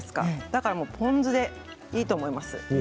だからポン酢でいいと思います。